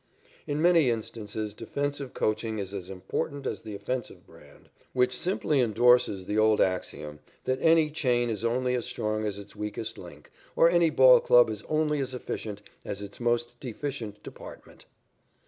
In many instances defensive coaching is as important as the offensive brand, which simply indorses the old axiom that any chain is only as strong as its weakest link or any ball club is only as efficient as its most deficient department.